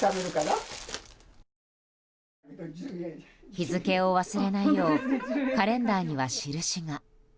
日付を忘れないようカレンダーには印が。